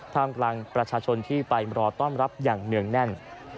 ท่ามกลางประชาชนที่ไปรอต้อนรับอย่างเนื่องแน่น